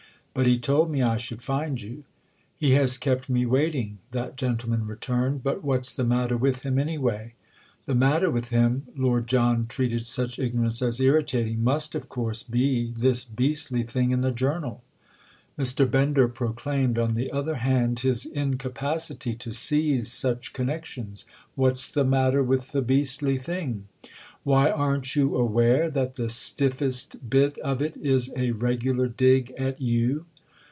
"But he told me I should find you." "He has kept me waiting," that gentleman returned—"but what's the matter with him anyway?" "The matter with him"—Lord John treated such ignorance as irritating—"must of course be this beastly thing in the 'Journal.'" Mr. Bender proclaimed, on the other hand, his incapacity to seize such connections. "What's the matter with the beastly thing?" "Why, aren't you aware that the stiffest bit of it is a regular dig at you?"